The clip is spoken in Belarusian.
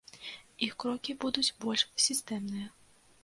Іх крокі будуць больш сістэмныя.